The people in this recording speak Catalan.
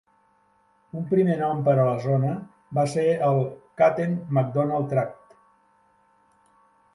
Un primer nom per a la zona va ser el Cutten-McDonald Tract.